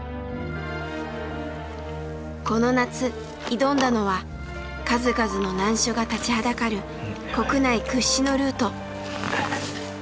この夏挑んだのは数々の難所が立ちはだかる国内屈指のルート。